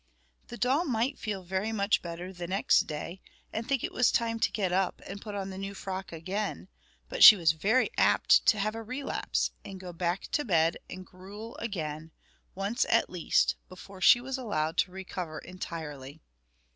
The doll might feel very much better the next day, and think it was time to get up and put on the new frock again; but she was very apt to have a relapse and go back to bed and gruel again, once at least, before she was allowed to recover entirely.